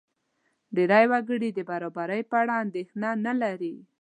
ډېری وګړي د برابرۍ په اړه اندېښنه نه لري.